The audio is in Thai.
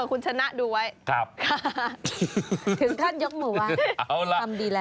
คุณชนะดูไว้ครับค่ะถึงท่านยกหมูว่ะเอาล่ะคำดีแล้ว